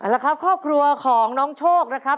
แล้วครับครอบครัวของน้องโชคนะครับ